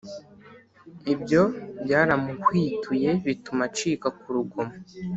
Ibyo byaramuhwituye bituma acika ku rugomo